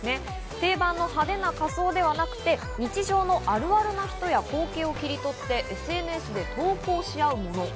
定番の派手な仮装ではなくて、日常のあるあるな人や光景を切り取ってＳＮＳで投稿し合うもの。